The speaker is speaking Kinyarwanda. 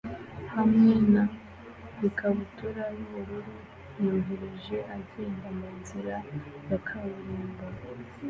hamwe na ikabutura yubururu yoroheje agenda munzira ya kaburimbo